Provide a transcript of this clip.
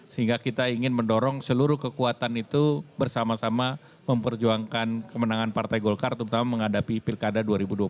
sehingga kita ingin mendorong seluruh kekuatan itu bersama sama memperjuangkan kemenangan partai golkar terutama menghadapi pilkada dua ribu dua puluh